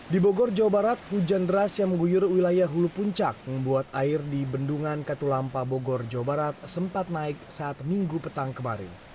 di bogor jawa barat hujan deras yang mengguyur wilayah hulu puncak membuat air di bendungan katulampa bogor jawa barat sempat naik saat minggu petang kemarin